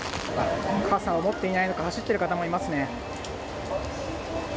傘を持っていないのか、走っている方もいますね。